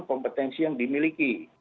kompetensi yang dimiliki